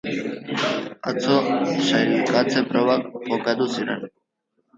Atzo sailkatze probak jokatu ziren.